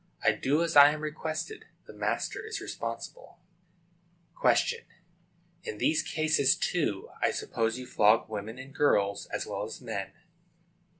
I do as I am requested. The master is responsible. Q. In these cases, too, I suppose you flog women and girls, as well as men.